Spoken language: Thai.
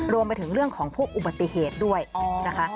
รวมไปถึงเรื่องของพวกอุบัติเหตุด้วยนะคะ